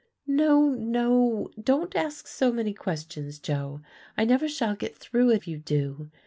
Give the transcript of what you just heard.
"No, no don't ask so many questions, Joe; I never shall get through if you do.